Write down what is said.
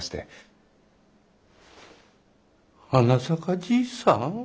はなさかじいさん？